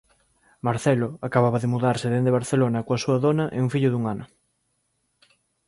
Marcelo acababa de mudarse dende Barcelona coa súa dona e un fillo dun ano.